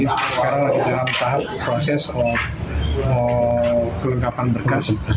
sekarang lagi dalam tahap proses kelengkapan berkas